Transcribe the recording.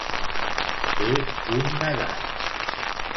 Ser un negat.